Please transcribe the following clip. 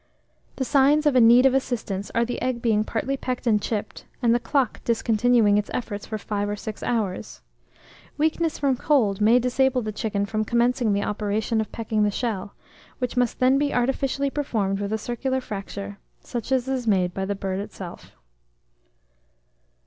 The signs of a need of assistance are the egg being partly pecked and chipped, and the cluck discontinuing its efforts for five of six hours. Weakness from cold may disable the chicken from commencing the operation of pecking the shell, which must then be artificially performed with a circular fracture, such as is made by the bird itself.